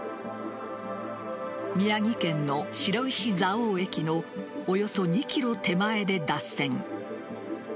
宮城県の白石蔵王駅のおよそ２ｋｍ手前で脱線。